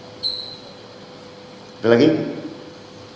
pasukan dari bapak itu kan ada sebuah